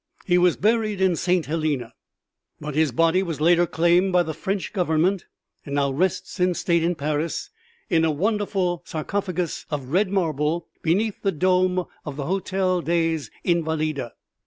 He was buried in St. Helena, but his body was later claimed by the French Government and now rests in state in Paris in a wonderful sarcophagus of red marble beneath the dome of the Hotel Des Invalides.